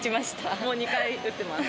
もう２回打ってます。